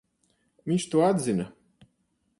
Viņš to atzina.